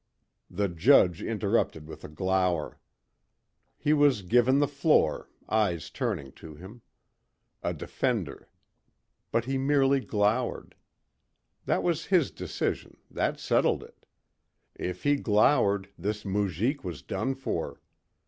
The judge interrupted with a glower. He was given the floor, eyes turning to him. A defender. But he merely glowered. That was his decision, that settled it. If he glowered this moujik was done for.